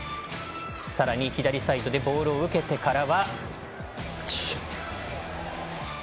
さらに、左サイドでボールを受けてからは。